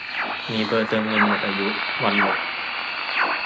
มีเบอร์เติมเงินหมดอายุ วันหมด